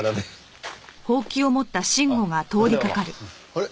あれ？